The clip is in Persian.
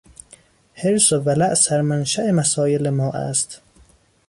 حرص و ولع سرمنشا مسایل ما است.